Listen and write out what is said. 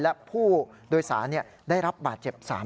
และผู้โดยสารได้รับบาดเจ็บ๓คน